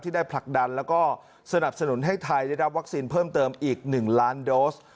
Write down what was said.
ได้ผลักดันแล้วก็สนับสนุนให้ไทยได้รับวัคซีนเพิ่มเติมอีก๑ล้านโดส